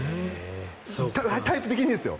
タイプ的にですよ